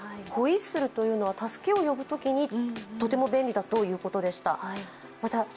ホイッスルというのは助けを呼ぶときにとても便利だということでした。